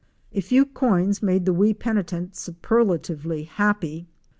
A few coins made the wee penitent superlatively happy.